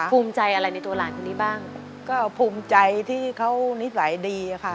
ภูมิใจอะไรในตัวหลานคนนี้บ้างก็ภูมิใจที่เขานิสัยดีอะค่ะ